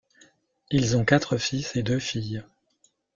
Ils ont quatre fils et deux filles.